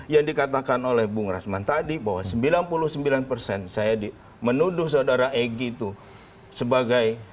yang dikatakan oleh bung rasman tadi bahwa sembilan puluh sembilan persen saya menuduh saudara egy itu sebagai